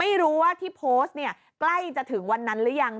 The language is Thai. ไม่รู้ว่าที่โพสต์เนี่ยใกล้จะถึงวันนั้นหรือยัง